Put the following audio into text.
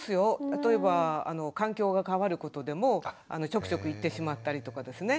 例えば環境が変わることでもちょくちょく行ってしまったりとかですね